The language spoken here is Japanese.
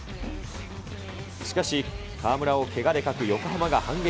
しかし、河村をけがで欠く横浜が反撃。